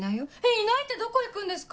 いないってどこ行くんですか？